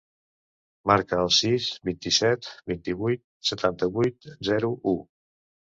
Marca el sis, vint-i-set, vint-i-vuit, setanta-vuit, zero, u.